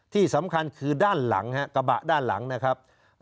ที่สำคัญคือด้านหลังฮะกระบะด้านหลังนะครับ